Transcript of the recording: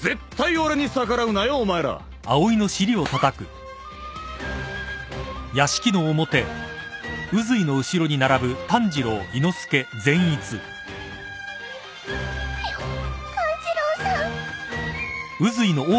ひっ炭治郎さん。